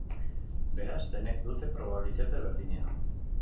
Beraz, denek dute probabilitate berdina.